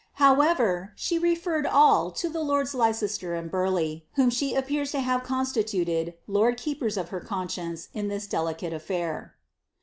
However, she referred all to the lonls Leicester and Burleigh, whom she appears to have con8titute<i lord keepers of her conscience in this delicate ailkir.